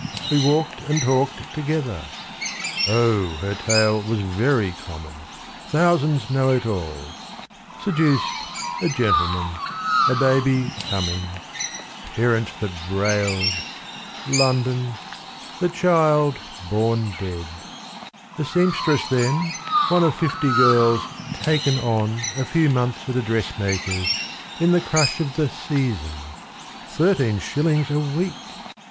We walked and talked together. O her tale Was very common; thousands know it all! Seduced; a gentleman; a baby coming; Parents that railed; London; the child born dead; A seamstress then, one of some fifty girls "Taken on" a few months at a dressmaker's In the crush of the "season;" thirteen shillings a week!